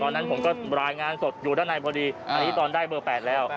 นั้นผมก็รายงานสดอยู่ด้านในพอดีอันนี้ตอนได้เบอร์๘แล้ว